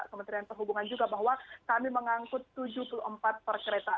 kementerian perhubungan juga bahwa kami mengangkut tujuh puluh empat per kereta